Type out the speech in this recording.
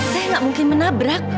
saya gak mungkin menabrak